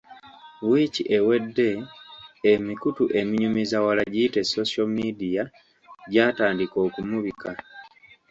Wiiki ewedde, emikutu eminyumiza wala giyite Social Media, gyatandika okumubika.